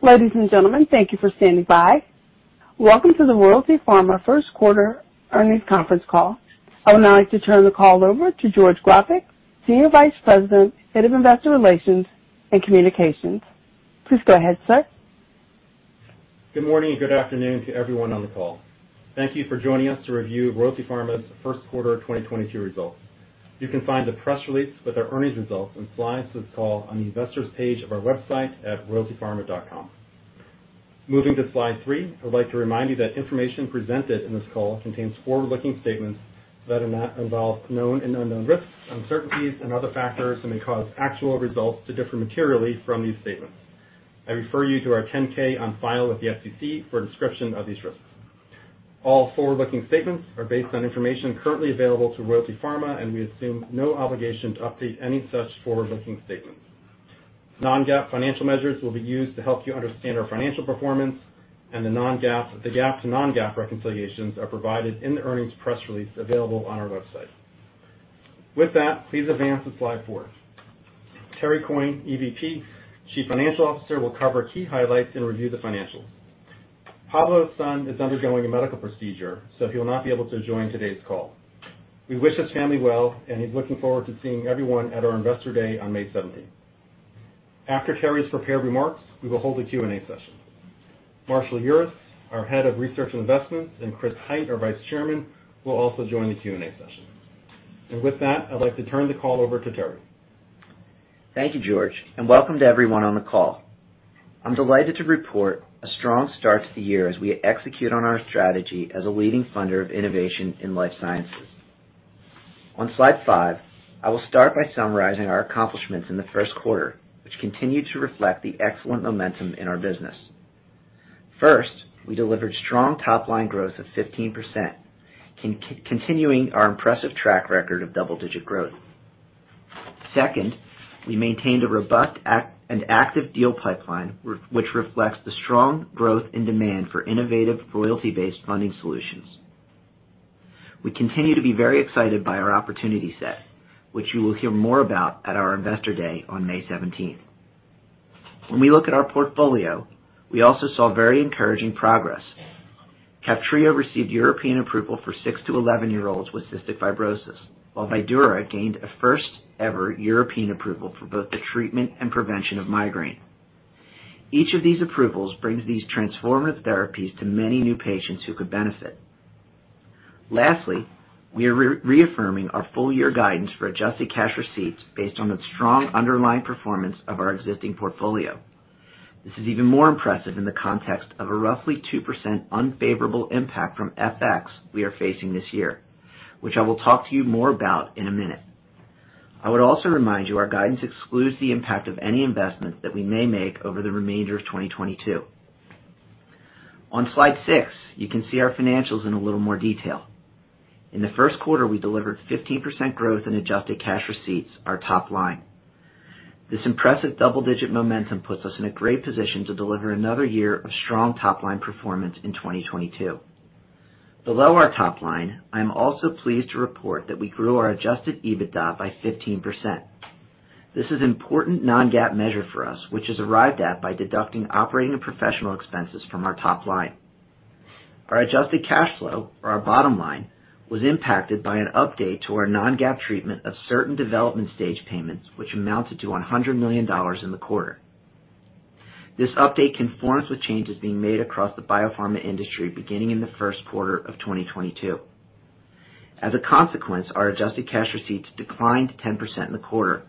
Ladies and gentlemen, thank you for standing by. Welcome to the Royalty Pharma First Quarter Earnings Conference Call. I would now like to turn the call over to George Grofik, Senior Vice President, Head of Investor Relations and Communications. Please go ahead, sir. Good morning and good afternoon to everyone on the call. Thank you for joining us to review Royalty Pharma's first quarter 2022 results. You can find the press release with our earnings results and slides to this call on the investors page of our website at royaltypharma.com. Moving to slide three, I would like to remind you that information presented in this call contains forward-looking statements that involve known and unknown risks, uncertainties, and other factors that may cause actual results to differ materially from these statements. I refer you to our 10-K on file with the SEC for a description of these risks. All forward-looking statements are based on information currently available to Royalty Pharma, and we assume no obligation to update any such forward-looking statements. Non-GAAP financial measures will be used to help you understand our financial performance and the GAAP to non-GAAP reconciliations are provided in the earnings press release available on our website. With that, please advance to slide four. Terrance Coyne, EVP, Chief Financial Officer, will cover key highlights and review the financials. Pablo's son is undergoing a medical procedure, so he will not be able to join today's call. We wish his family well, and he's looking forward to seeing everyone at our Investor Day on May 17th. After Terrance's prepared remarks, we will hold a Q&A session. Marshall Urist, our Head of Research and Investments, and Chris Hite, our Vice Chairman, will also join the Q&A session. With that, I'd like to turn the call over to Terrance. Thank you, George, and welcome to everyone on the call. I'm delighted to report a strong start to the year as we execute on our strategy as a leading funder of innovation in life sciences. On slide five, I will start by summarizing our accomplishments in the first quarter, which continue to reflect the excellent momentum in our business. First, we delivered strong top-line growth of 15%, continuing our impressive track record of double-digit growth. Second, we maintained a robust an active deal pipeline which reflects the strong growth and demand for innovative royalty-based funding solutions. We continue to be very excited by our opportunity set, which you will hear more about at our Investor Day on May 17th. When we look at our portfolio, we also saw very encouraging progress. Kaftrio received European approval for six- to 11-year-olds with cystic fibrosis, while Vydura gained a first-ever European approval for both the treatment and prevention of migraine. Each of these approvals brings these transformative therapies to many new patients who could benefit. Lastly, we are reaffirming our full-year guidance for adjusted cash receipts based on the strong underlying performance of our existing portfolio. This is even more impressive in the context of a roughly 2% unfavorable impact from FX we are facing this year, which I will talk to you more about in a minute. I would also remind you our guidance excludes the impact of any investment that we may make over the remainder of 2022. On slide six, you can see our financials in a little more detail. In the first quarter, we delivered 15% growth in adjusted cash receipts, our top line. This impressive double-digit momentum puts us in a great position to deliver another year of strong top-line performance in 2022. Below our top line, I am also pleased to report that we grew our adjusted EBITDA by 15%. This is an important non-GAAP measure for us, which is arrived at by deducting operating and professional expenses from our top line. Our adjusted cash flow, or our bottom line, was impacted by an update to our non-GAAP treatment of certain development stage payments, which amounted to $100 million in the quarter. This update conforms with changes being made across the biopharma industry beginning in the first quarter of 2022. As a consequence, our adjusted cash receipts declined 10% in the quarter.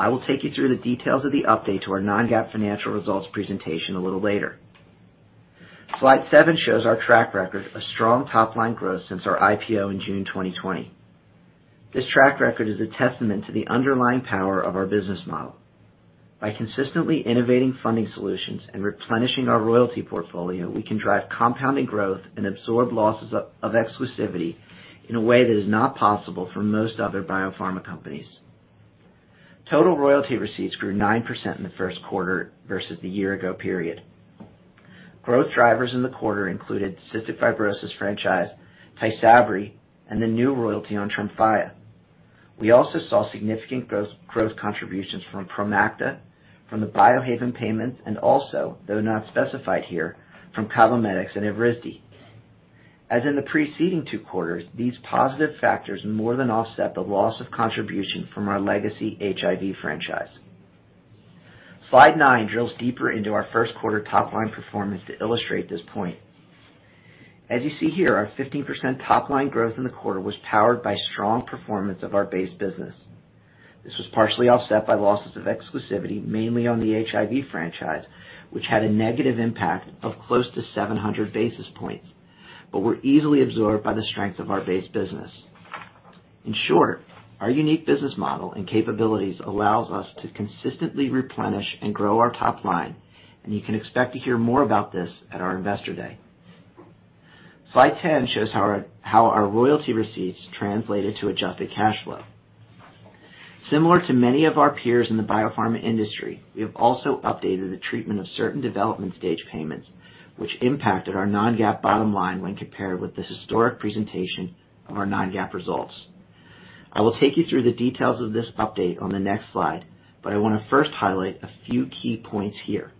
I will take you through the details of the update to our non-GAAP financial results presentation a little later. Slide seven shows our track record of strong top-line growth since our IPO in June 2020. This track record is a testament to the underlying power of our business model. By consistently innovating funding solutions and replenishing our royalty portfolio, we can drive compounding growth and absorb losses of exclusivity in a way that is not possible for most other biopharma companies. Total royalty receipts grew 9% in the first quarter versus the year-ago period. Growth drivers in the quarter included cystic fibrosis franchise, Tysabri, and the new royalty on Tremfya. We also saw significant growth contributions from Promacta, from the Biohaven payments and also, though not specified here, from Cabometyx and Evrysdi. As in the preceding two quarters, these positive factors more than offset the loss of contribution from our legacy HIV franchise. Slide nine drills deeper into our first quarter top-line performance to illustrate this point. As you see here, our 15% top-line growth in the quarter was powered by strong performance of our base business. This was partially offset by losses of exclusivity, mainly on the HIV franchise, which had a negative impact of close to 700 basis points, but were easily absorbed by the strength of our base business. In short, our unique business model and capabilities allows us to consistently replenish and grow our top line, and you can expect to hear more about this at our Investor Day. Slide ten shows how our royalty receipts translated to adjusted cash flow. Similar to many of our peers in the biopharma industry, we have also updated the treatment of certain development stage payments, which impacted our non-GAAP bottom line when compared with the historic presentation of our non-GAAP results. I will take you through the details of this update on the next slide, but I wanna first highlight a few key points here.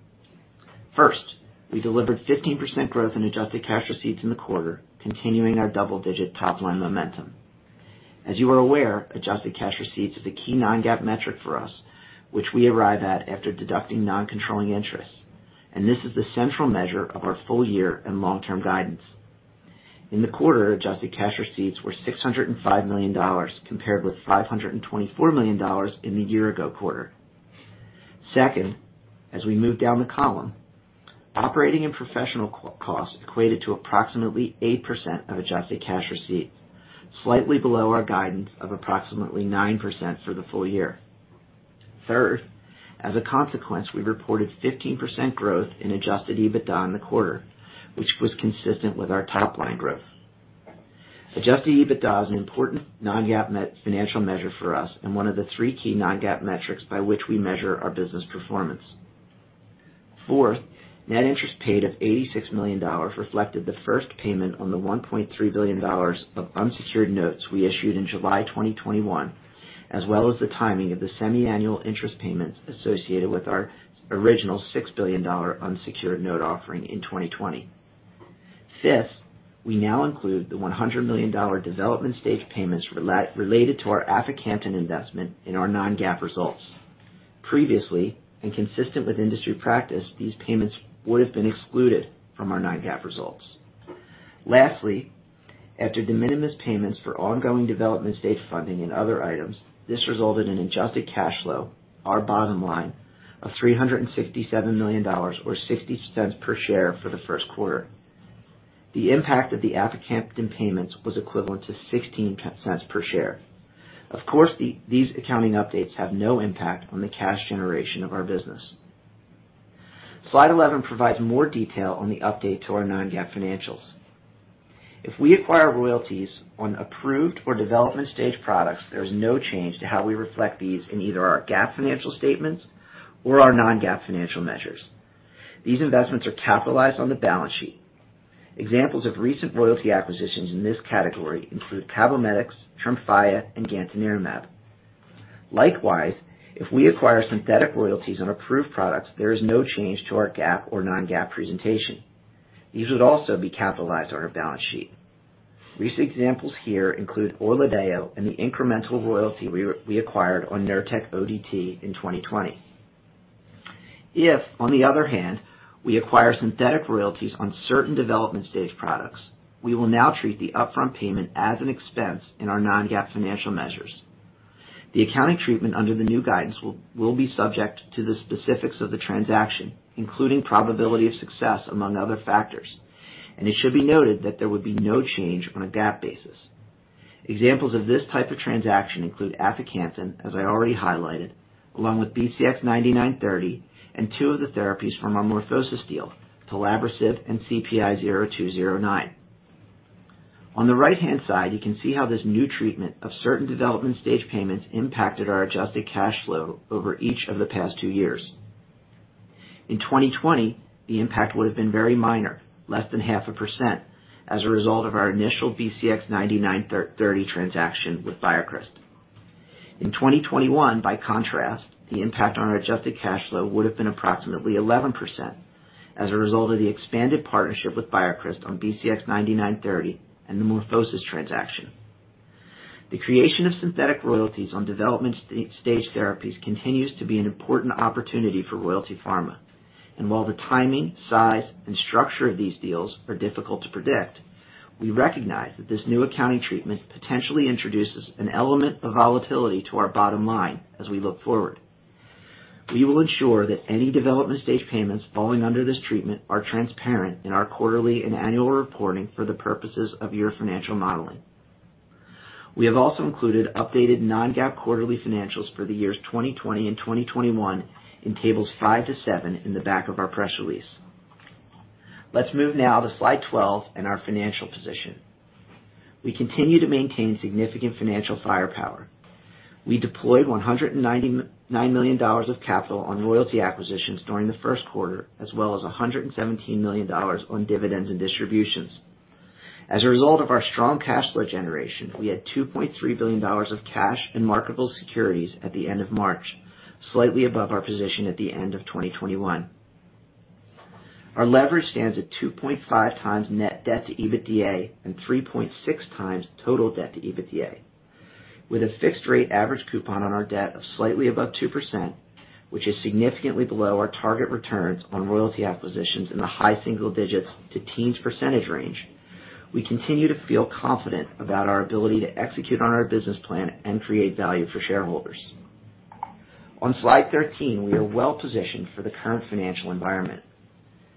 First, we delivered 15% growth in adjusted cash receipts in the quarter, continuing our double-digit top-line momentum. As you are aware, adjusted cash receipts is a key non-GAAP metric for us, which we arrive at after deducting non-controlling interest, and this is the central measure of our full-year and long-term guidance. In the quarter, adjusted cash receipts were $605 million compared with $524 million in the year ago quarter. Second, as we move down the column, operating and professional costs equated to approximately 8% of adjusted cash receipts, slightly below our guidance of approximately 9% for the full year. Third, as a consequence, we reported 15% growth in adjusted EBITDA in the quarter, which was consistent with our top-line growth. Adjusted EBITDA is an important non-GAAP net financial measure for us and one of the three key non-GAAP metrics by which we measure our business performance. Fourth, net interest paid of $86 million reflected the first payment on the $1.3 billion of unsecured notes we issued in July 2021, as well as the timing of the semiannual interest payments associated with our original $6 billion unsecured note offering in 2020. Fifth, we now include the $100 million development stage payments related to our aficamten investment in our non-GAAP results. Previously, and consistent with industry practice, these payments would have been excluded from our non-GAAP results. Lastly, after de minimis payments for ongoing development stage funding and other items, this resulted in adjusted cash flow, our bottom line, of $367 million or $0.60 per share for the first quarter. The impact of the aficamten payments was equivalent to $0.16 per share. Of course, these accounting updates have no impact on the cash generation of our business. Slide 11 provides more detail on the update to our non-GAAP financials. If we acquire royalties on approved or development stage products, there is no change to how we reflect these in either our GAAP financial statements or our non-GAAP financial measures. These investments are capitalized on the balance sheet. Examples of recent royalty acquisitions in this category include Cabometyx, Tremfya, and Gantenerumab. Likewise, if we acquire synthetic royalties on approved products, there is no change to our GAAP or non-GAAP presentation. These would also be capitalized on our balance sheet. Recent examples here include ORLADEYO and the incremental royalty we acquired on Nurtec ODT in 2020. If, on the other hand, we acquire synthetic royalties on certain development stage products, we will now treat the upfront payment as an expense in our non-GAAP financial measures. The accounting treatment under the new guidance will be subject to the specifics of the transaction, including probability of success among other factors, and it should be noted that there would be no change on a GAAP basis. Examples of this type of transaction include aficamten, as I already highlighted, along with BCX9930 and two of the therapies from our MorphoSys deal, Talabraciv and CPI-0209. On the right-hand side, you can see how this new treatment of certain development stage payments impacted our adjusted cash flow over each of the past two years. In 2020, the impact would've been very minor, less than 0.5%, as a result of our initial BCX9930 transaction with BioCryst. In 2021, by contrast, the impact on our adjusted cash flow would've been approximately 11% as a result of the expanded partnership with BioCryst on BCX9930 and the MorphoSys transaction. The creation of synthetic royalties on development stage therapies continues to be an important opportunity for Royalty Pharma. While the timing, size, and structure of these deals are difficult to predict, we recognize that this new accounting treatment potentially introduces an element of volatility to our bottom line as we look forward. We will ensure that any development stage payments falling under this treatment are transparent in our quarterly and annual reporting for the purposes of your financial modeling. We have also included updated non-GAAP quarterly financials for the years 2020 and 2021 in tables five-seven in the back of our press release. Let's move now to slide 12 and our financial position. We continue to maintain significant financial firepower. We deployed $199 million of capital on royalty acquisitions during the first quarter, as well as $117 million on dividends and distributions. As a result of our strong cash flow generation, we had $2.3 billion of cash and marketable securities at the end of March, slightly above our position at the end of 2021. Our leverage stands at 2.5x net debt to EBITDA and 3.6x total debt to EBITDA. With a fixed rate average coupon on our debt of slightly above 2%, which is significantly below our target returns on royalty acquisitions in the high single digits to teens % range, we continue to feel confident about our ability to execute on our business plan and create value for shareholders. On slide 13, we are well-positioned for the current financial environment.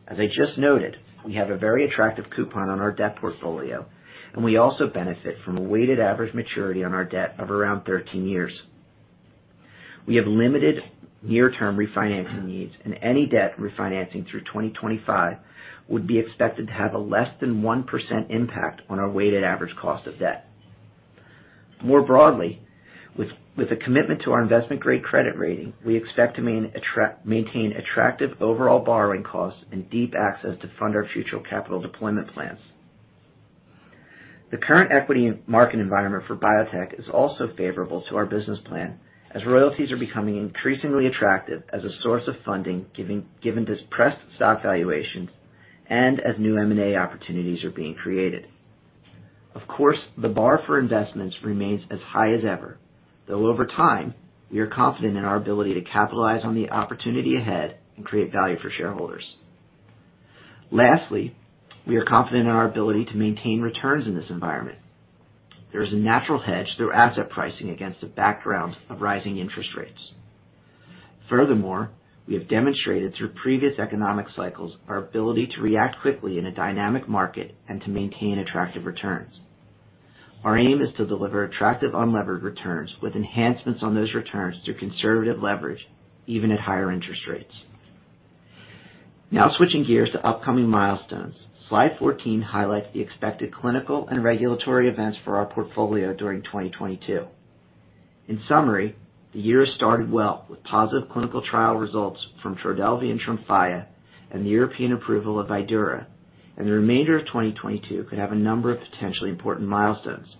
As I just noted, we have a very attractive coupon on our debt portfolio, and we also benefit from a weighted average maturity on our debt of around 13 years. We have limited near-term refinancing needs, and any debt refinancing through 2025 would be expected to have a less than 1% impact on our weighted average cost of debt. More broadly, with a commitment to our investment-grade credit rating, we expect to maintain attractive overall borrowing costs and deep access to fund our future capital deployment plans. The current equity market environment for biotech is also favorable to our business plan, as royalties are becoming increasingly attractive as a source of funding, given depressed stock valuations and as new M&A opportunities are being created. Of course, the bar for investments remains as high as ever, though over time, we are confident in our ability to capitalize on the opportunity ahead and create value for shareholders. Lastly, we are confident in our ability to maintain returns in this environment. There is a natural hedge through asset pricing against the background of rising interest rates. Furthermore, we have demonstrated through previous economic cycles our ability to react quickly in a dynamic market and to maintain attractive returns. Our aim is to deliver attractive unlevered returns with enhancements on those returns through conservative leverage, even at higher interest rates. Now switching gears to upcoming milestones. Slide 14 highlights the expected clinical and regulatory events for our portfolio during 2022. In summary, the year started well with positive clinical trial results from TRODELVY and Tremfya and the European approval of Vydura, and the remainder of 2022 could have a number of potentially important milestones.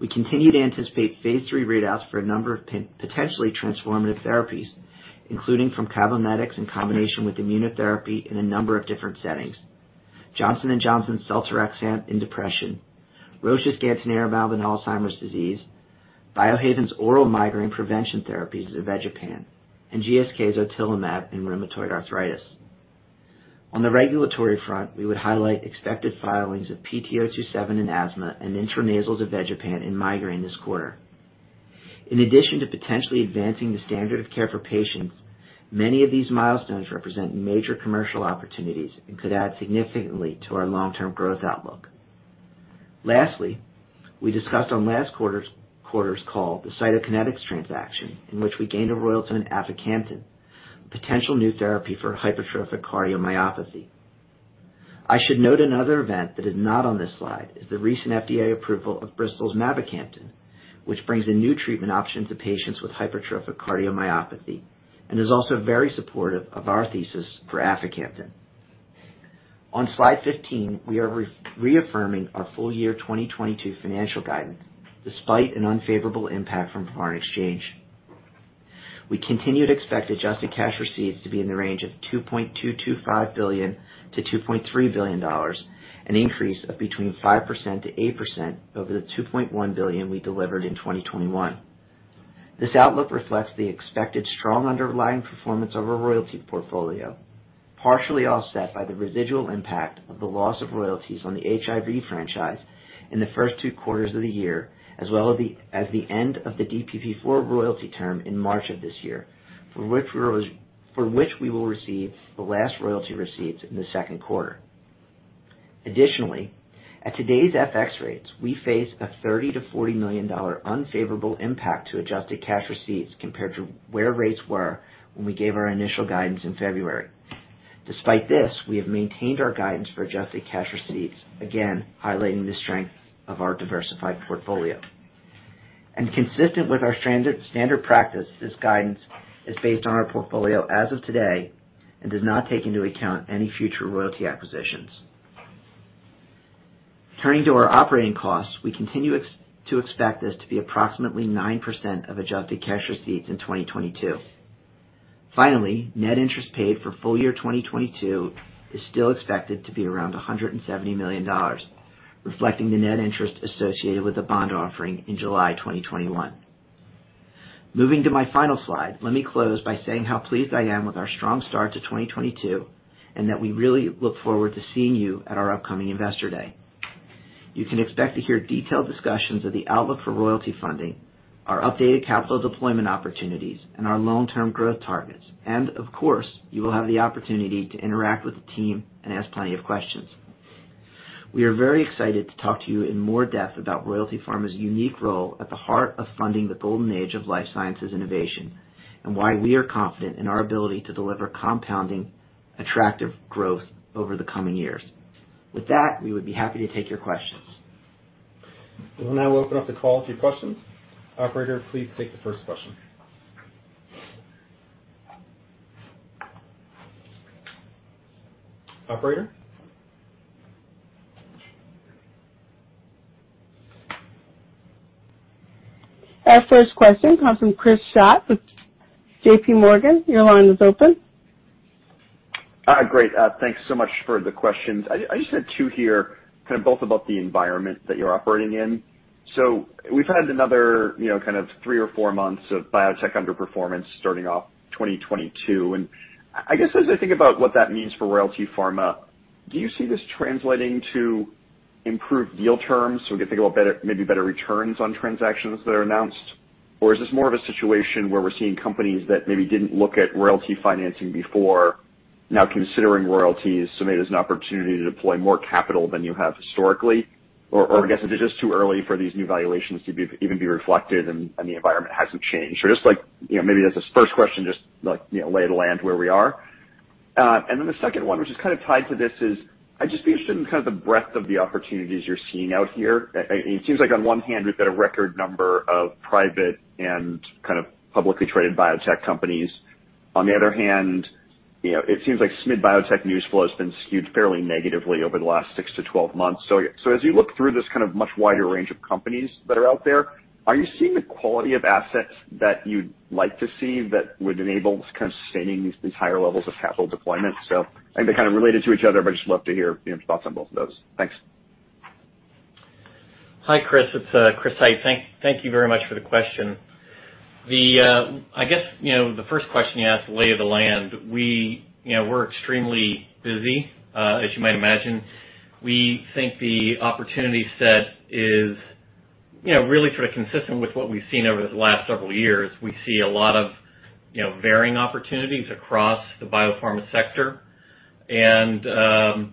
We continue to anticipate phase III readouts for a number of potentially transformative therapies, including from Cabometyx in combination with immunotherapy in a number of different settings. Johnson & Johnson's seltorexant in depression, Roche's gantenerumab in Alzheimer's disease, Biohaven's oral migraine prevention therapies, zavegepant, and GSK's otilimab in rheumatoid arthritis. On the regulatory front, we would highlight expected filings of PT027 in asthma and intranasal zavegepant in migraine this quarter. In addition to potentially advancing the standard of care for patients, many of these milestones represent major commercial opportunities and could add significantly to our long-term growth outlook. Lastly, we discussed on last quarter's call the Cytokinetics transaction, in which we gained a royalty on aficamten, a potential new therapy for hypertrophic cardiomyopathy. I should note another event that is not on this slide is the recent FDA approval of Bristol's mavacamten, which brings a new treatment option to patients with hypertrophic cardiomyopathy and is also very supportive of our thesis for aficamten. On slide 15, we are reaffirming our full year 2022 financial guidance despite an unfavorable impact from foreign exchange. We continue to expect adjusted cash receipts to be in the range of $2.225 billion-$2.3 billion, an increase of between 5%-8% over the $2.1 billion we delivered in 2021. This outlook reflects the expected strong underlying performance of our royalty portfolio, partially offset by the residual impact of the loss of royalties on the HIV franchise in the first two quarters of the year, as well as the end of the DPP-4 royalty term in March of this year, for which we will receive the last royalty receipts in the second quarter. Additionally, at today's FX rates, we face a $30-$40 million unfavorable impact to adjusted cash receipts compared to where rates were when we gave our initial guidance in February. Despite this, we have maintained our guidance for adjusted cash receipts, again, highlighting the strength of our diversified portfolio. Consistent with our standard practice, this guidance is based on our portfolio as of today and does not take into account any future royalty acquisitions. Turning to our operating costs, we continue to expect this to be approximately 9% of adjusted cash receipts in 2022. Finally, net interest paid for full year 2022 is still expected to be around $170 million, reflecting the net interest associated with the bond offering in July 2021. Moving to my final slide, let me close by saying how pleased I am with our strong start to 2022, and that we really look forward to seeing you at our upcoming Investor Day. You can expect to hear detailed discussions of the outlook for royalty funding, our updated capital deployment opportunities, and our long-term growth targets. Of course, you will have the opportunity to interact with the team and ask plenty of questions. We are very excited to talk to you in more depth about Royalty Pharma's unique role at the heart of funding the golden age of life sciences innovation, and why we are confident in our ability to deliver compounding attractive growth over the coming years. With that, we would be happy to take your questions. We'll now open up the call to your questions. Operator, please take the first question. Operator? Our first question comes from Chris Schott with J.P. Morgan. Your line is open. Great. Thanks so much for the questions. I just had two here, kind of both about the environment that you're operating in. We've had another, you know, kind of three or four months of biotech underperformance starting off 2022. I guess, as I think about what that means for Royalty Pharma, do you see this translating to improved deal terms? We can think about better returns on transactions that are announced, or is this more of a situation where we're seeing companies that maybe didn't look at royalty financing before now considering royalties, so maybe there's an opportunity to deploy more capital than you have historically? I guess is it just too early for these new valuations to be even reflected, and the environment hasn't changed? Just like, you know, maybe as this first question, just like, you know, lay of the land where we are. Then the second one, which is kind of tied to this, is I'd just be interested in kind of the breadth of the opportunities you're seeing out here. It seems like on one hand you've got a record number of private and kind of publicly traded biotech companies. On the other hand, you know, it seems like SMID biotech news flow has been skewed fairly negatively over the last 6-12 months. As you look through this kind of much wider range of companies that are out there, are you seeing the quality of assets that you'd like to see that would enable this kind of sustaining these higher levels of capital deployment? I think they're kind of related to each other, but I'd just love to hear, you know, thoughts on both of those. Thanks. Hi, Chris. It's Chris Hite. Thank you very much for the question. I guess, you know, the first question you asked, the lay of the land. We, you know, we're extremely busy, as you might imagine. We think the opportunity set is, you know, really sort of consistent with what we've seen over the last several years. We see a lot of, you know, varying opportunities across the biopharma sector. You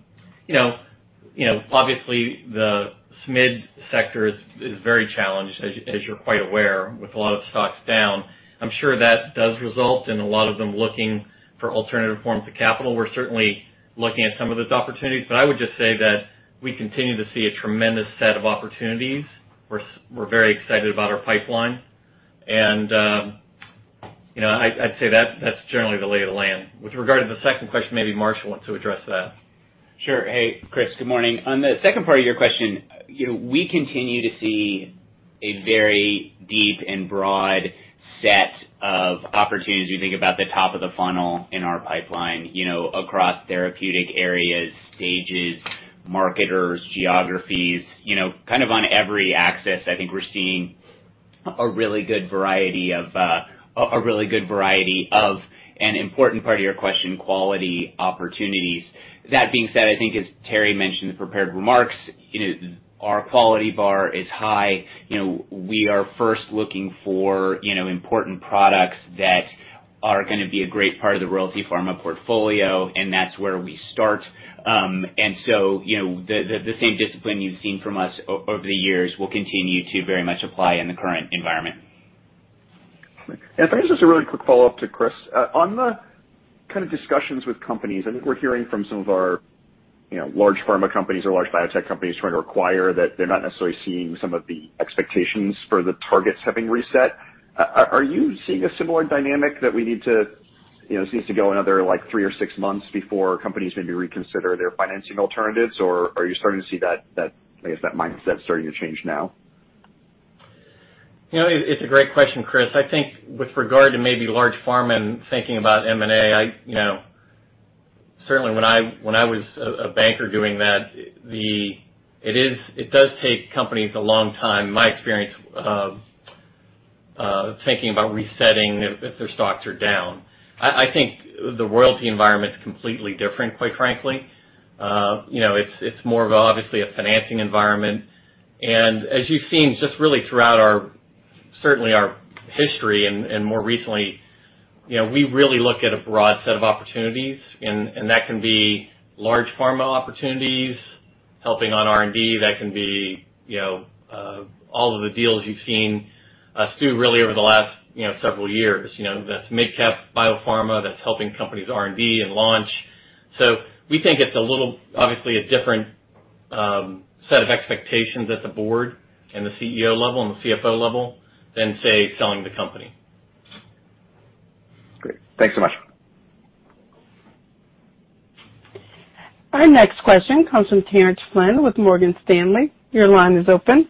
know, obviously the SMID sector is very challenged, as you're quite aware, with a lot of stocks down. I'm sure that does result in a lot of them looking for alternative forms of capital. We're certainly looking at some of those opportunities, but I would just say that we continue to see a tremendous set of opportunities. We're very excited about our pipeline. You know, I'd say that's generally the lay of the land. With regard to the second question, maybe Marshall wants to address that. Sure. Hey, Chris. Good morning. On the second part of your question, you know, we continue to see a very deep and broad set of opportunities. We think about the top of the funnel in our pipeline, you know, across therapeutic areas, stages, marketers, geographies. You know, kind of on every axis, I think we're seeing a really good variety of, and important part of your question, quality opportunities. That being said, I think as Terry mentioned in the prepared remarks, you know, our quality bar is high. You know, we are first looking for, you know, important products that are gonna be a great part of the Royalty Pharma portfolio, and that's where we start. You know, the same discipline you've seen from us over the years will continue to very much apply in the current environment. If I can, just a really quick follow-up to Chris. On the kind of discussions with companies, I think we're hearing from some of our, you know, large pharma companies or large biotech companies trying to acquire that they're not necessarily seeing some of the expectations for the targets having reset. Are you seeing a similar dynamic that we need to, you know, this needs to go another like three or six months before companies maybe reconsider their financing alternatives, or are you starting to see that, I guess, that mindset starting to change now? You know, it's a great question, Chris. I think with regard to maybe large pharma and thinking about M&A, you know. Certainly when I was a banker doing that, it does take companies a long time, in my experience, thinking about resetting if their stocks are down. I think the royalty environment's completely different, quite frankly. You know, it's more of obviously a financing environment. As you've seen just really throughout our certainly our history and more recently, you know, we really look at a broad set of opportunities and that can be large pharma opportunities helping on R&D. That can be, you know, all of the deals you've seen us do really over the last, you know, several years. You know, that's mid-cap biopharma, that's helping companies R&D and launch. We think it's a little, obviously a different set of expectations at the board and the CEO level and the CFO level than, say, selling the company. Great. Thanks so much. Our next question comes from Terence Flynn with Morgan Stanley. Your line is open.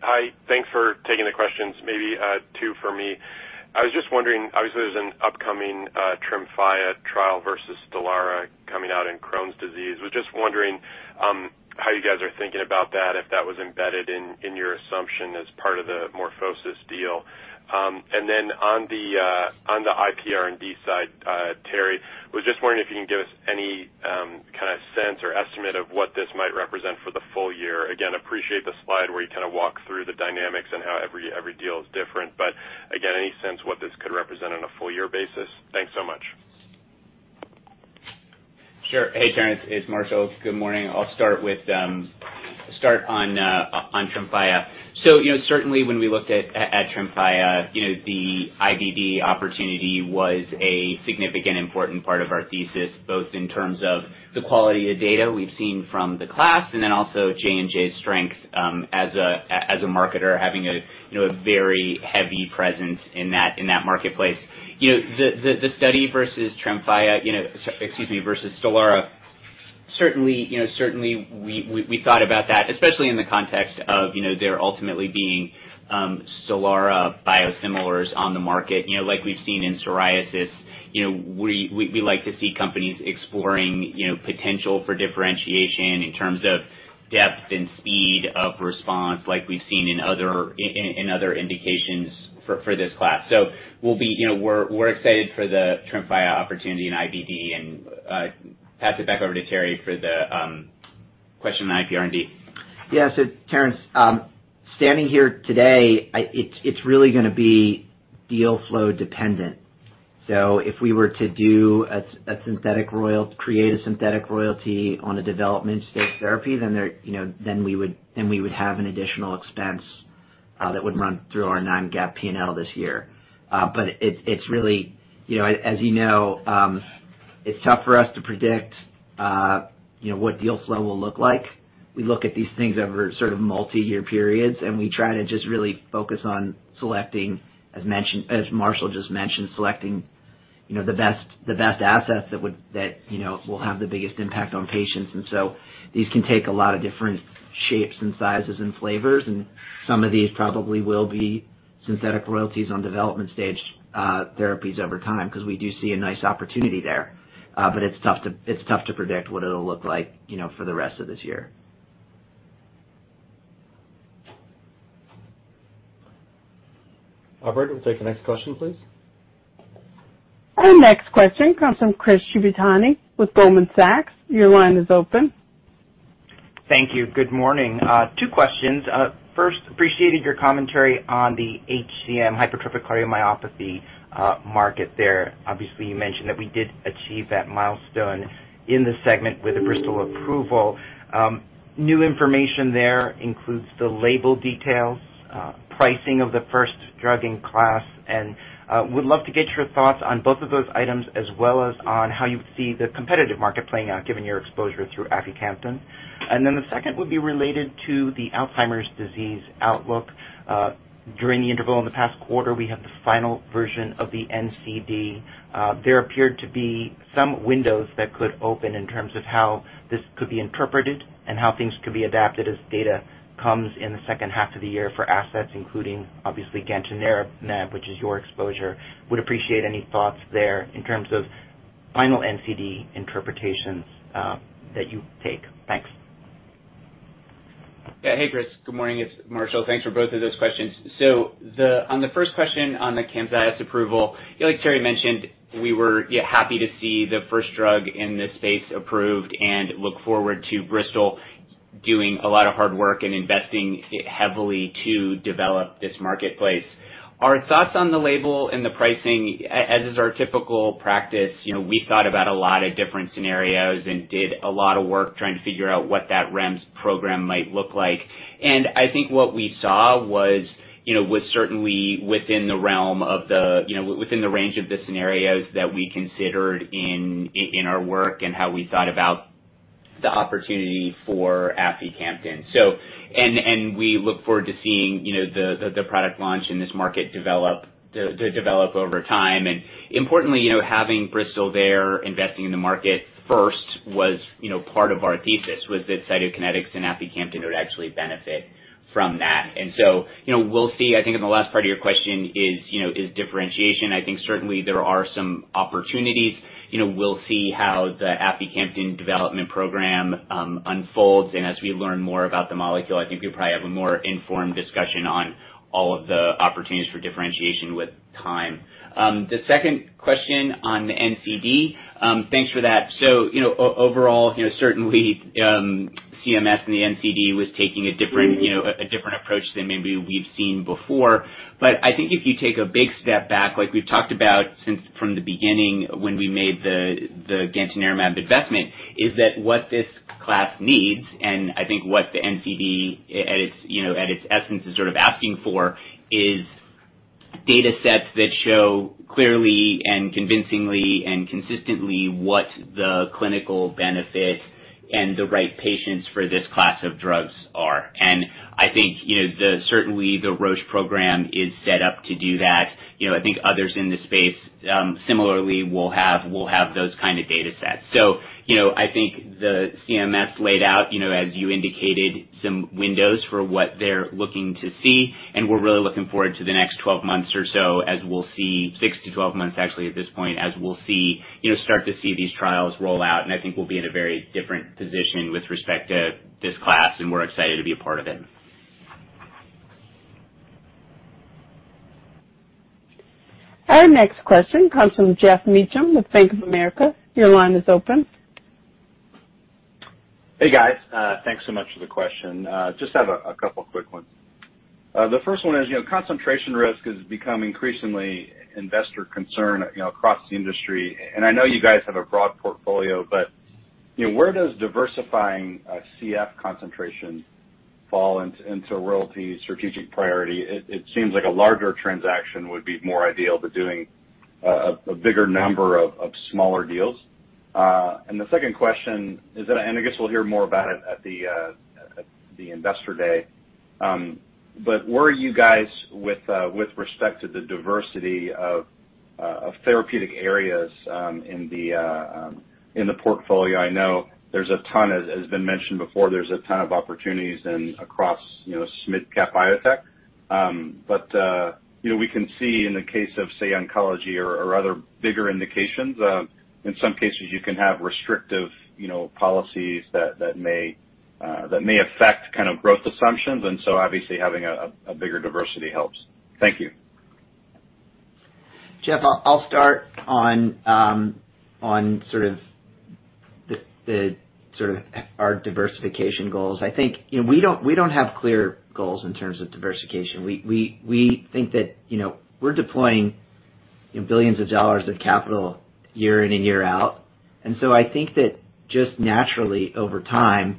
Hi. Thanks for taking the questions. Maybe two for me. I was just wondering, obviously, there's an upcoming Tremfya trial versus STELARA coming out in Crohn's disease. Was just wondering how you guys are thinking about that, if that was embedded in your assumption as part of the MorphoSys deal. On the IPR&D side, Terry, was just wondering if you can give us any kind of sense or estimate of what this might represent for the full year. Again, appreciate the slide where you kind of walk through the dynamics and how every deal is different. Again, any sense what this could represent on a full-year basis? Thanks so much. Sure. Hey, Terence, it's Marshall. Good morning. I'll start on Tremfya. You know, certainly when we looked at Tremfya, you know, the IBD opportunity was a significant important part of our thesis, both in terms of the quality of data we've seen from the class and then also J&J's strength as a marketer having a very heavy presence in that marketplace. You know, the study versus Tremfya, excuse me, versus STELARA, certainly, you know, we thought about that, especially in the context of, you know, there ultimately being STELARA biosimilars on the market. You know, like we've seen in psoriasis, you know, we like to see companies exploring, you know, potential for differentiation in terms of depth and speed of response like we've seen in other indications for this class. We'll be, you know, we're excited for the Tremfya opportunity in IBD and pass it back over to Terry for the question on IPR&D. Yeah. Terence, standing here today, it's really gonna be deal flow dependent. If we were to create a synthetic royalty on a development-stage therapy, then, you know, we would have an additional expense. That would run through our non-GAAP P&L this year. But it's really, you know, it's tough for us to predict, you know, what deal flow will look like. We look at these things over sort of multi-year periods, and we try to just really focus on selecting, as Marshall just mentioned, you know, the best assets that, you know, will have the biggest impact on patients. These can take a lot of different shapes and sizes and flavors, and some of these probably will be synthetic royalties on development stage therapies over time, 'cause we do see a nice opportunity there. It's tough to predict what it'll look like, you know, for the rest of this year. Operator, we'll take the next question, please. Our next question comes from Chris Shibutani with Goldman Sachs. Your line is open. Thank you. Good morning. Two questions. First, appreciated your commentary on the HCM hypertrophic cardiomyopathy market there. Obviously, you mentioned that we did achieve that milestone in the segment with the Bristol approval. New information there includes the label details, pricing of the first drug in class, and would love to get your thoughts on both of those items as well as on how you see the competitive market playing out given your exposure through aficamten. The second would be related to the Alzheimer's disease outlook. During the interval in the past quarter, we have the final version of the NCD. There appeared to be some windows that could open in terms of how this could be interpreted and how things could be adapted as data comes in the second half of the year for assets, including obviously Gantenerumab, which is your exposure. Would appreciate any thoughts there in terms of final NCD interpretations that you take. Thanks. Yeah. Hey, Chris. Good morning. It's Marshall. Thanks for both of those questions. On the first question, on the Camzyos approval, you know, like Terry mentioned, we were, yeah, happy to see the first drug in this space approved and look forward to Bristol doing a lot of hard work and investing heavily to develop this marketplace. Our thoughts on the label and the pricing, as is our typical practice, you know, we thought about a lot of different scenarios and did a lot of work trying to figure out what that REMS program might look like. I think what we saw was, you know, certainly within the realm of the, you know, within the range of the scenarios that we considered in our work and how we thought about the opportunity for aficamten. We look forward to seeing, you know, the product launch and this market develop over time. Importantly, you know, having Bristol there investing in the market first was, you know, part of our thesis was that Cytokinetics and aficamten would actually benefit from that. You know, we'll see. I think in the last part of your question is, you know, is differentiation. I think certainly there are some opportunities. You know, we'll see how the aficamten development program unfolds. As we learn more about the molecule, I think you'll probably have a more informed discussion on all of the opportunities for differentiation with time. The second question on the NCD, thanks for that. You know, overall, you know, certainly, CMS and the NCD was taking a different, you know, a different approach than maybe we've seen before. I think if you take a big step back, like we've talked about since from the beginning when we made the Gantenerumab investment, is that what this class needs, and I think what the NCD at its, you know, at its essence, is sort of asking for, is data sets that show clearly and convincingly and consistently what the clinical benefit and the right patients for this class of drugs are. I think, you know, certainly, the Roche program is set up to do that. You know, I think others in this space, similarly will have those kind of data sets. You know, I think the CMS laid out, you know, as you indicated, some windows for what they're looking to see, and we're really looking forward to the next 12 months or so as we'll see 6-12 months actually at this point, as we'll see, you know, start to see these trials roll out. I think we'll be in a very different position with respect to this class, and we're excited to be a part of it. Our next question comes from Geoff Meacham with Bank of America. Your line is open. Hey, guys. Thanks so much for the question. Just have a couple quick ones. The first one is, you know, concentration risk has become increasingly investor concern, you know, across the industry. I know you guys have a broad portfolio, but, you know, where does diversifying a CF concentration fall into Royalty strategic priority? It seems like a larger transaction would be more ideal to doing a bigger number of smaller deals. The second question is that, and I guess we'll hear more about it at the investor day. But where are you guys with respect to the diversity of therapeutic areas in the portfolio? I know there's a ton, as has been mentioned before, there's a ton of opportunities across, you know, mid-cap biotech. You know, we can see in the case of, say, oncology or other bigger indications, in some cases, you can have restrictive, you know, policies that may affect kind of growth assumptions. Obviously having a bigger diversity helps. Thank you. Geoff, I'll start on sort of our diversification goals. I think, you know, we don't have clear goals in terms of diversification. We think that, you know, we're deploying- Billions of dollars of capital year in and year out. I think that just naturally over time,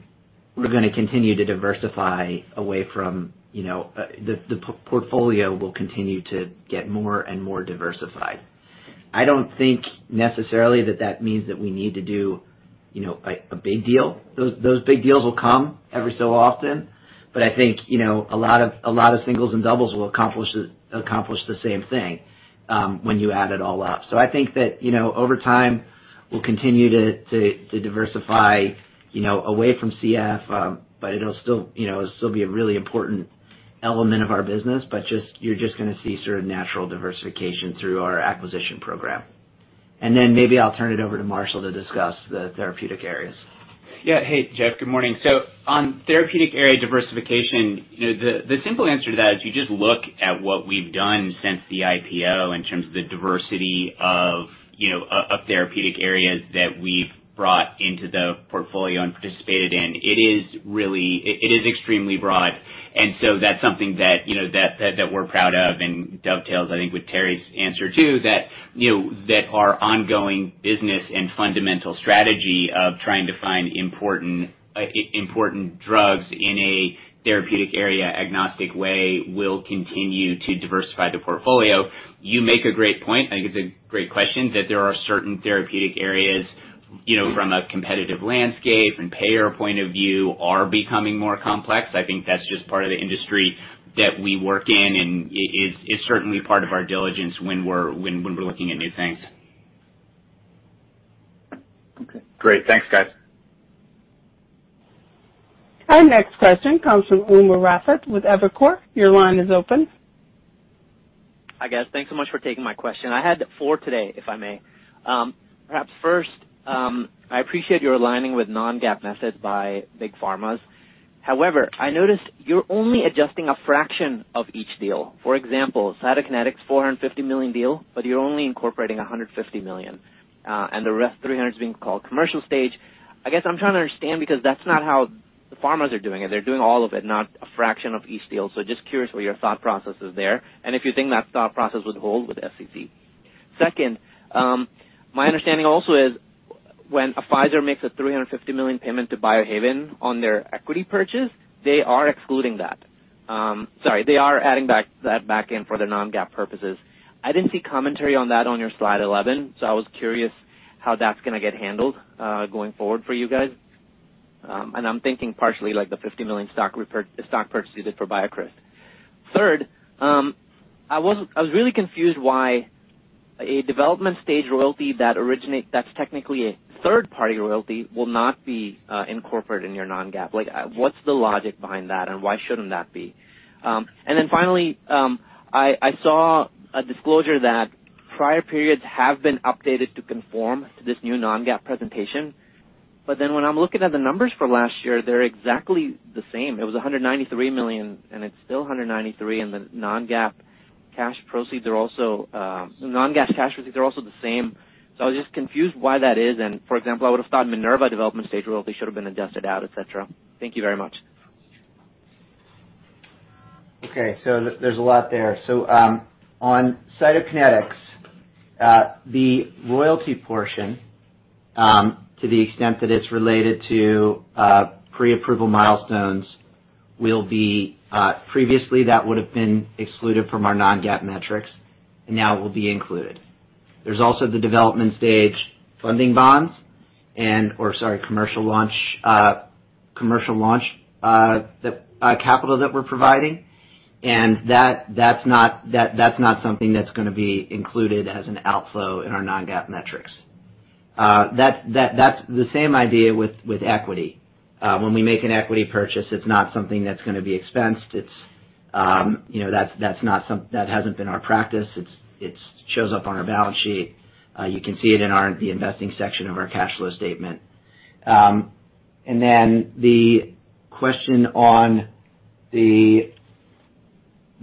we're gonna continue to diversify. The portfolio will continue to get more and more diversified. I don't think necessarily that that means that we need to do a big deal. Those big deals will come every so often. I think a lot of singles and doubles will accomplish the same thing when you add it all up. I think that over time, we'll continue to diversify away from CF, but it'll still be a really important element of our business. You're just gonna see sort of natural diversification through our acquisition program. Maybe I'll turn it over to Marshall to discuss the therapeutic areas. Yeah. Hey, Geoff, good morning. On therapeutic area diversification, you know, the simple answer to that is you just look at what we've done since the IPO in terms of the diversity of, you know, of therapeutic areas that we've brought into the portfolio and participated in. It is extremely broad. That's something that, you know, that we're proud of and dovetails, I think, with Terrance's answer too, that, you know, that our ongoing business and fundamental strategy of trying to find important drugs in a therapeutic area agnostic way, will continue to diversify the portfolio. You make a great point, I think it's a great question, that there are certain therapeutic areas, you know, from a competitive landscape and payer point of view, are becoming more complex. I think that's just part of the industry that we work in, and it is, it's certainly part of our diligence when we're looking at new things. Okay. Great. Thanks, guys. Our next question comes from Umer Raffat with Evercore. Your line is open. Hi, guys. Thanks so much for taking my question. I had four today, if I may. Perhaps first, I appreciate your aligning with non-GAAP methods by big pharmas. However, I noticed you're only adjusting a fraction of each deal. For example, Cytokinetics, $450 million deal, but you're only incorporating $150 million, and the rest $300 million is being called commercial stage. I guess I'm trying to understand because that's not how the pharmas are doing it. They're doing all of it, not a fraction of each deal. Just curious what your thought process is there, and if you think that thought process would hold with the SEC. Second, my understanding also is when Pfizer makes a $350 million payment to Biohaven on their equity purchase, they are excluding that. Sorry, they are adding back that back in for the non-GAAP purposes. I didn't see commentary on that on your slide 11, so I was curious how that's gonna get handled going forward for you guys. I'm thinking partially like the $50 million stock purchase you did for BioCryst. Third, I was really confused why a development stage royalty that's technically a third party royalty will not be incorporated in your non-GAAP. Like, what's the logic behind that and why shouldn't that be? Then finally, I saw a disclosure that prior periods have been updated to conform to this new non-GAAP presentation. When I'm looking at the numbers for last year, they're exactly the same. It was $193 million, and it's still $193 million. The non-GAAP cash proceeds are also the same. I was just confused why that is. For example, I would have thought Minerva development stage royalty should have been adjusted out, et cetera. Thank you very much. Okay. There's a lot there. On Cytokinetics, the royalty portion, to the extent that it's related to pre-approval milestones, previously that would have been excluded from our non-GAAP metrics, and now will be included. There's also the development-stage funding and commercial launch, the capital that we're providing, and that's not something that's gonna be included as an outflow in our non-GAAP metrics. That's the same idea with equity. When we make an equity purchase, it's not something that's gonna be expensed. It's, you know, that hasn't been our practice. It shows up on our balance sheet. You can see it in the investing section of our cash flow statement. The question on the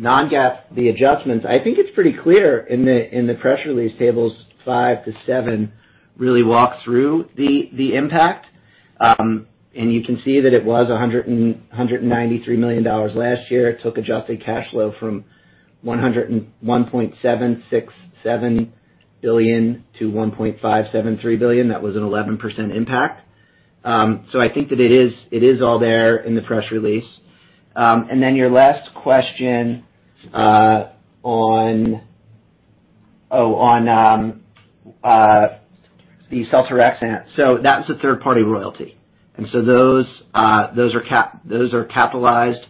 non-GAAP, the adjustments. I think it's pretty clear in the press release tables five to seven, really walk through the impact. You can see that it was $193 million last year. It took adjusted cash flow from $101.767 billion to $1.573 billion. That was an 11% impact. I think that it is all there in the press release. Your last question on the seltorexant. That's a third-party royalty. Those are capitalized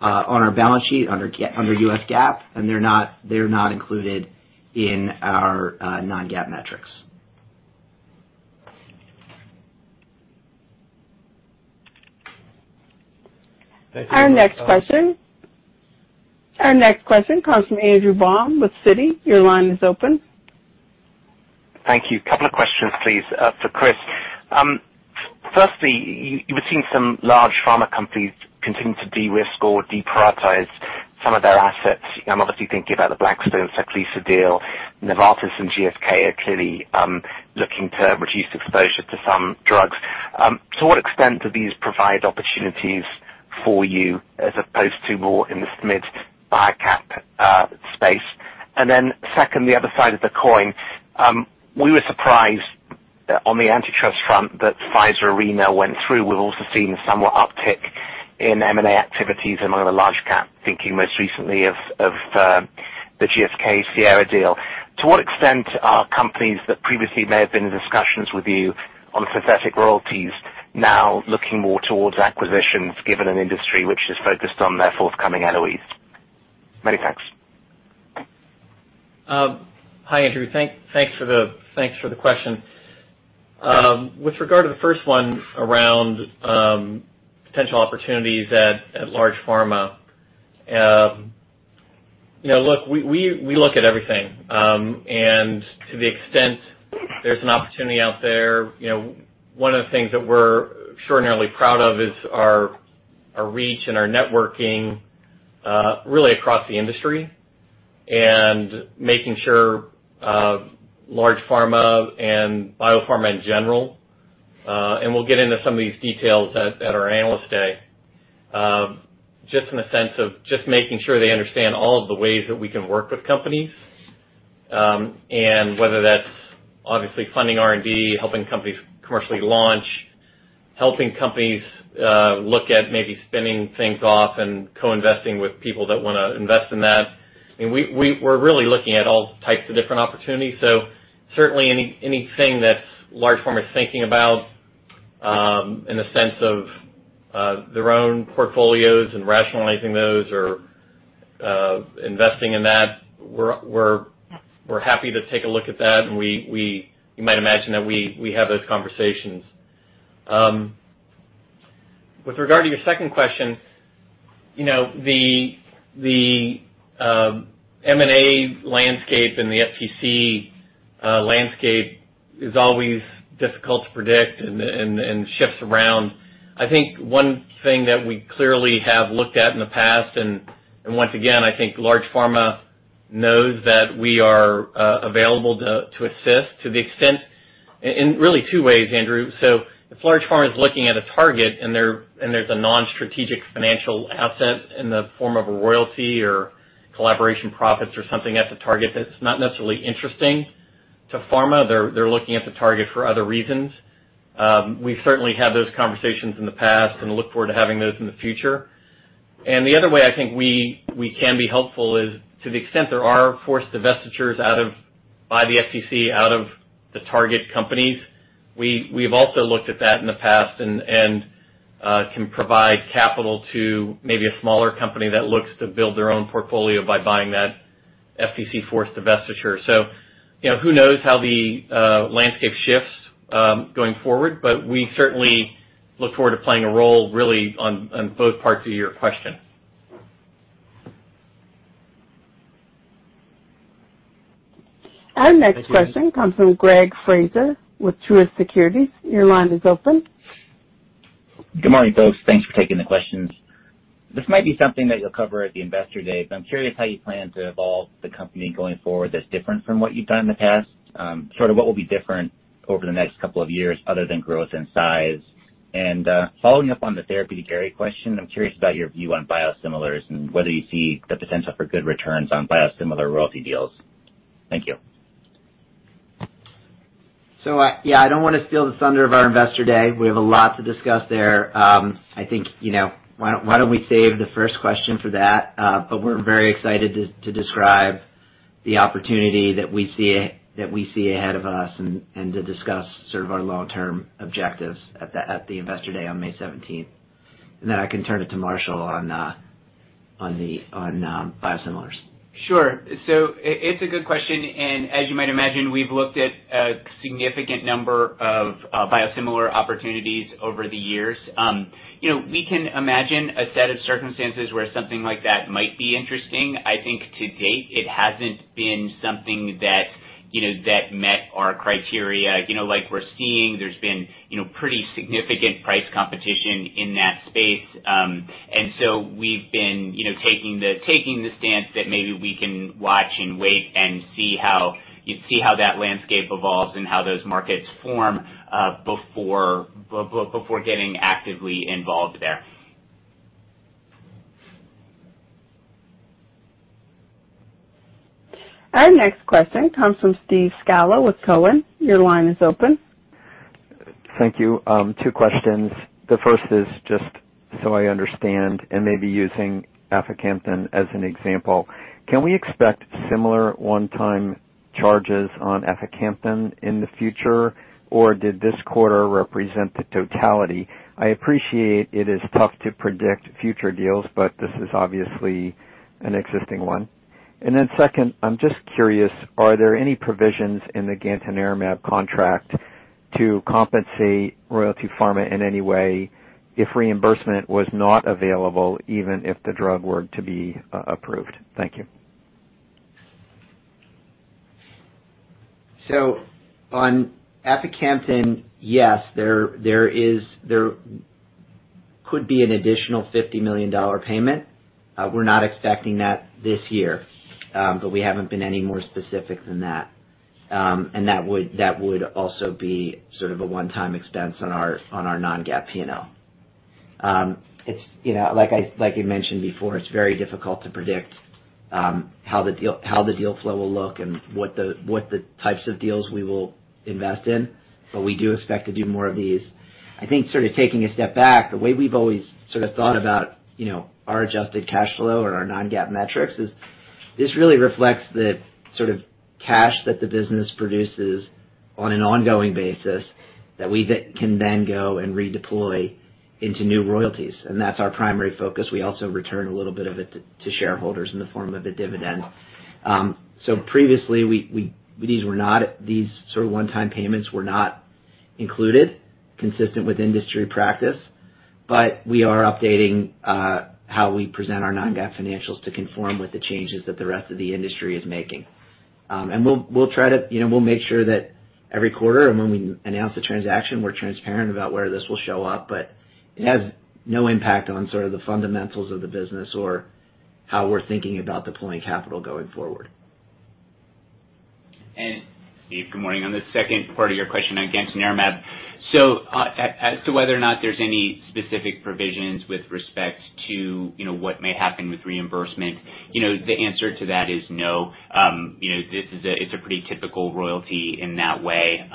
on our balance sheet under U.S. GAAP, and they're not included in our non-GAAP metrics. Thank you very much. Our next question comes from Andrew Baum with Citi. Your line is open. Thank you. Couple of questions, please, for Chris. Firstly, you were seeing some large pharma companies continuing to de-risk or deprioritize some of their assets. I'm obviously thinking about the Blackstone Sarclisa deal. Novartis and GSK are clearly looking to reduce exposure to some drugs. To what extent do these provide opportunities for you as opposed to more in the mid cap space. Second, the other side of the coin, we were surprised on the antitrust front that Pfizer-Arena went through. We've also seen somewhat uptick in M&A activities among the large cap thinking most recently of the GSK-Sierra deal. To what extent are companies that previously may have been in discussions with you on synthetic royalties now looking more towards acquisitions given an industry which is focused on their forthcoming LOEs? Many thanks. Hi, Andrew. Thanks for the question. With regard to the first one around potential opportunities at large pharma, you know, look, we look at everything. To the extent there's an opportunity out there, you know, one of the things that we're extraordinarily proud of is our reach and our networking really across the industry and making sure large pharma and biopharma in general, and we'll get into some of these details at our Analyst Day. Just in the sense of just making sure they understand all of the ways that we can work with companies, and whether that's obviously funding R&D, helping companies commercially launch, helping companies look at maybe spinning things off and co-investing with people that wanna invest in that. I mean, we're really looking at all types of different opportunities. Certainly anything that large pharma is thinking about, in the sense of, their own portfolios and rationalizing those or, investing in that, we're happy to take a look at that. You might imagine that we have those conversations. With regard to your second question, you know, the M&A landscape and the FTC landscape is always difficult to predict and shifts around. I think one thing that we clearly have looked at in the past, and once again, I think large pharma knows that we are available to assist to the extent in really two ways, Andrew. If large pharma is looking at a target and there's a non-strategic financial asset in the form of a royalty or collaboration profits or something at the target that's not necessarily interesting to pharma, they're looking at the target for other reasons. We've certainly had those conversations in the past and look forward to having those in the future. The other way I think we can be helpful is to the extent there are forced divestitures by the FTC out of the target companies, we've also looked at that in the past and can provide capital to maybe a smaller company that looks to build their own portfolio by buying that FTC-forced divestiture. You know, who knows how the landscape shifts, going forward, but we certainly look forward to playing a role really on both parts of your question. Our next question comes from Greg Fraser with Truist Securities. Your line is open. Good morning, folks. Thanks for taking the questions. This might be something that you'll cover at the Investor Day, but I'm curious how you plan to evolve the company going forward that's different from what you've done in the past. Sort of what will be different over the next couple of years other than growth and size? Following up on the therapeutic area question, I'm curious about your view on biosimilars and whether you see the potential for good returns on biosimilar royalty deals. Thank you. Yeah, I don't wanna steal the thunder of our Investor Day. We have a lot to discuss there. I think, you know, why don't we save the first question for that? We're very excited to describe the opportunity that we see ahead of us and to discuss sort of our long-term objectives at the Investor Day on May 17th. I can turn it to Marshall on biosimilars. Sure. It's a good question, and as you might imagine, we've looked at a significant number of biosimilar opportunities over the years. You know, we can imagine a set of circumstances where something like that might be interesting. I think to date, it hasn't been something that, you know, that met our criteria. You know, like we're seeing, there's been, you know, pretty significant price competition in that space. And so we've been, you know, taking the stance that maybe we can watch and wait and see how, you see how that landscape evolves and how those markets form before getting actively involved there. Our next question comes from Steve Scala with Cowen. Your line is open. Thank you. Two questions. The first is just so I understand, and maybe using aficamten as an example, can we expect similar one-time charges on aficamten in the future, or did this quarter represent the totality? I appreciate it is tough to predict future deals, but this is obviously an existing one. Then second, I'm just curious, are there any provisions in the gantenerumab contract to compensate Royalty Pharma in any way if reimbursement was not available, even if the drug were to be approved? Thank you. On aficamten, yes, there could be an additional $50 million payment. We're not expecting that this year, but we haven't been any more specific than that. That would also be sort of a one-time expense on our non-GAAP P&L. It's, you know, like I mentioned before, it's very difficult to predict how the deal flow will look and what the types of deals we will invest in, but we do expect to do more of these. I think sort of taking a step back, the way we've always sort of thought about, you know, our adjusted cash flow or our non-GAAP metrics is this really reflects the sort of cash that the business produces on an ongoing basis that we can then go and redeploy into new royalties, and that's our primary focus. We also return a little bit of it to shareholders in the form of a dividend. Previously, these sort of one-time payments were not included consistent with industry practice. We are updating how we present our non-GAAP financials to conform with the changes that the rest of the industry is making. We'll try to, you know, we'll make sure that every quarter and when we announce a transaction, we're transparent about where this will show up, but it has no impact on sort of the fundamentals of the business or how we're thinking about deploying capital going forward. Steve, good morning. On the second part of your question on gantenerumab. As to whether or not there's any specific provisions with respect to, you know, what may happen with reimbursement, you know, the answer to that is no. You know, this is a pretty typical royalty in that way.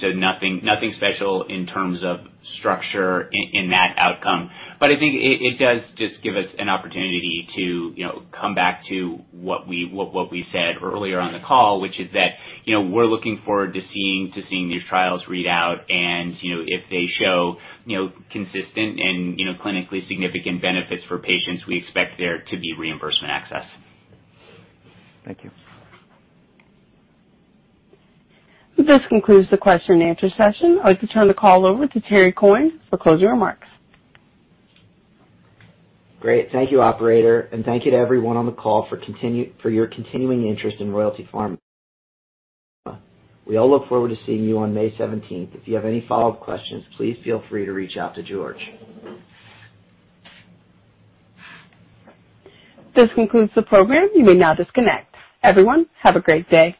So nothing special in terms of structure in that outcome. But I think it does just give us an opportunity to, you know, come back to what we said earlier on the call, which is that, you know, we're looking forward to seeing these trials read out and, you know, if they show, you know, consistent and, you know, clinically significant benefits for patients, we expect there to be reimbursement access. Thank you. This concludes the question-and-answer session. I'd like to turn the call over to Terry Coyne for closing remarks. Great. Thank you, Operator, and thank you to everyone on the call for your continuing interest in Royalty Pharma. We all look forward to seeing you on May 17th. If you have any follow-up questions, please feel free to reach out to George. This concludes the program. You may now disconnect. Everyone, have a great day.